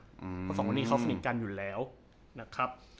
เพราะสองคนนี้เขาสนิทกันอยู่แล้วนะครับ